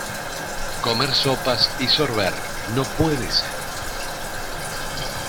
Comer sopas y sorber, no puede ser.